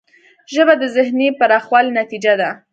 ژبه د ذهنی پراخوالي نتیجه ده